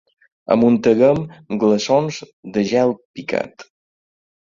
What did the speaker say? Amunteguem glaçons de gel picat.